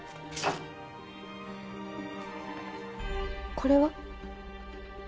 これは？